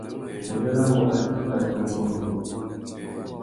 Nʼgudjanamú atê i tà tumba ungôndô uzu.